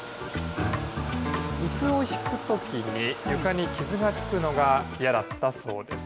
いすを引くときに、床に傷がつくのが嫌だったそうです。